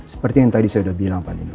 seperti yang tadi saya udah bilang pak nino